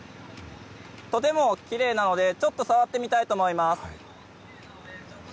とてもきれいなので、ちょっと触ってみたいと思います。